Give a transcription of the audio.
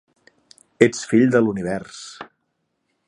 Ets fill de l'univers